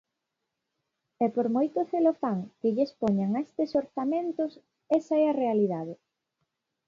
E por moito celofán que lles poñan a estes orzamentos esa é a realidade.